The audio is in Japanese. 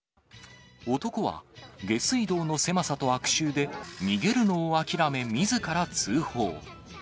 男は、下水道の狭さと悪臭で、逃げるのを諦め、みずから通報。